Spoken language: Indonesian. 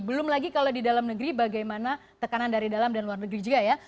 belum lagi kalau di dalam negeri bagaimana tekanan dari dalam dan luar negeri juga ya